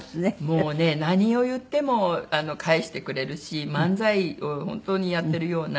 もうね何を言っても返してくれるし漫才を本当にやってるような。